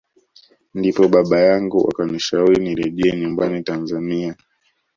Ndipo baba yangu akanishauri nirejee nyumbani Tanzania